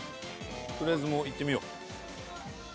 とりあえずもういってみよう。